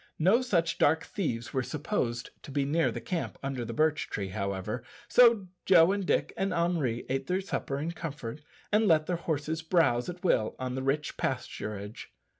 No such dark thieves were supposed to be near the camp under the birch tree, however, so Joe, and Dick, and Henri ate their supper in comfort, and let their horses browse at will on the rich pasturage.